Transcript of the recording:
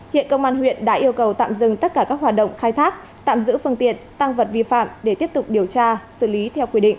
hiện công an huyện đã yêu cầu tạm dừng tất cả các hoạt động khai thác tạm giữ phương tiện tăng vật vi phạm để tiếp tục điều tra xử lý theo quy định